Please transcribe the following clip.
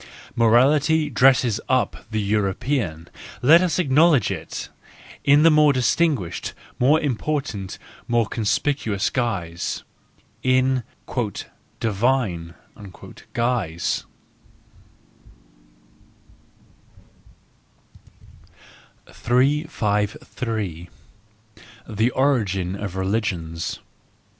Morality dresses up the European —let us acknowledge it!— in more distinguished, more important, more con¬ spicuous guise— in " divine " guise— 353 The Origin of Religions.